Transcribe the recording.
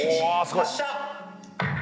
発射。